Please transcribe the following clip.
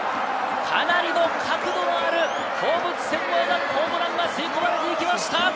かなり角度のある放物線を描くホームランが吸い込まれていきました！